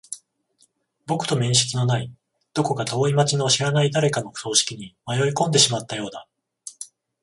僕と面識のない、どこか遠い街の知らない誰かの葬式に迷い込んでしまったようだ。